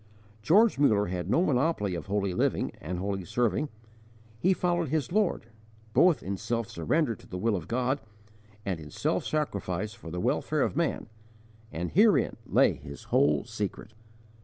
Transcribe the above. George Muller had no monopoly of holy living and holy serving. He followed his Lord, both in self surrender to the will of God and in self sacrifice for the welfare of man, and herein lay his whole secret.